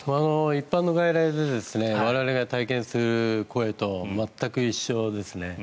一般の外来で我々が体験する声と全く一緒ですね。